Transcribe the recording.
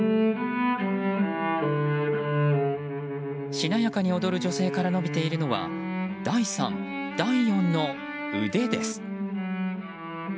しなやかに踊る女性から伸びているのは第３、第４の腕です。